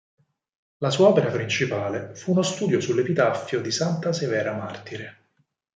La sua opera principale fu uno studio sull'epitaffio di santa Severa martire.